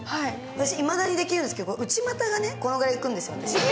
いまだにできるんですけど内股がくれぐらいいくんですよ